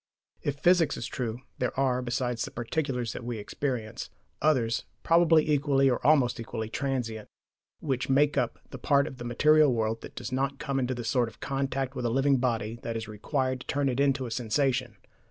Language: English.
If physics is true, there are, besides the particulars that we experience, others, probably equally (or almost equally) transient, which make up that part of the material world that does not come into the sort of contact with a living body that is required to turn it into a sensation.